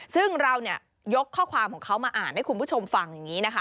ซึ่งเรายกข้อความของเขามาอ่านให้คุณผู้ชมฟังอย่างนี้นะคะ